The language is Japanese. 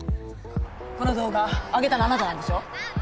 この動画あげたのあなたなんでしょ？